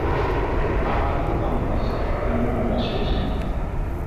Akaddo ka Mukasa kalina mugaso ki?